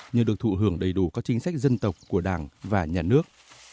như được thụ hưởng đầy đủ các chính sách dân tộc của đảng và nhà nước